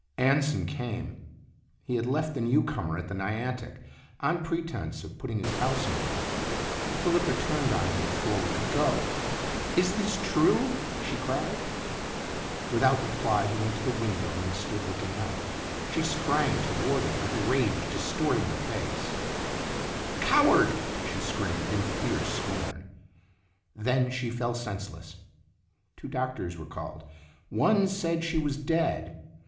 Anson came. He had left the new comer at the Niantic, on pretense of putting his house in order. Felipa turned on him before we could go. " Is this true ?" she cried. Without reply he went to the window and stood looking out. She sprang toward him, with rage distorting her face. Itinerant " Coward! " she screamed, in fierce scorn. Then she fell senseless. Two doctors were called. One said she was dead.